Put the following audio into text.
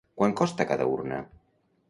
Quant costa cada urna?